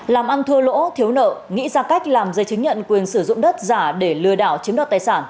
làm ăn thua lỗ thiếu nợ nghĩ ra cách làm dây chứng nhận quyền sử dụng đất giả để lừa đảo chiếm đoạt tài sản